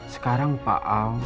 sekarang pak al